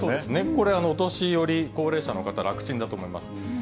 これ、お年寄り、高齢者の方、らくちんだと思います。